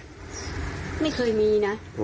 ไม่เคยมีนะ